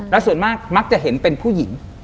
แล้วส่วนมากมักจะเห็นเป็นผู้หญิง